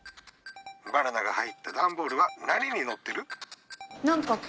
バナナが入った段ボールは何にのってる？